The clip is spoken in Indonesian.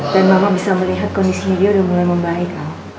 dan mama bisa melihat kondisi dia udah mulai membaik